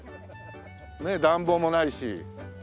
ねえ暖房もないし。